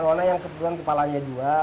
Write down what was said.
ada yang arowana yang kepalanya dua